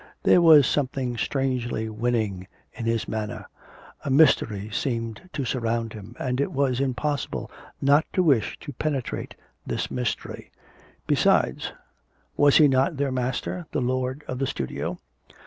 There was something strangely winning in his manner; a mystery seemed to surround him, and it was impossible not to wish to penetrate this mystery. Besides, was he not their master, the lord of the studio?